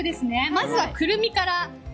まずは、くるみから。